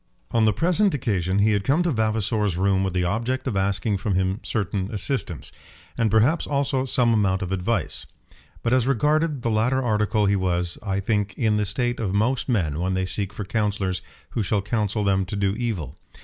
On the present occasion he had come to Vavasor's room with the object of asking from him certain assistance, and perhaps also some amount of advice. But as regarded the latter article he was, I think, in the state of most men when they seek for counsellors who shall counsel them to do evil.